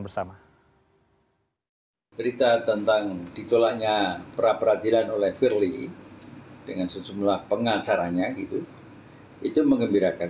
berita tentang ditolaknya pra peradilan oleh firli dengan sesemula pengacaranya itu mengembirakan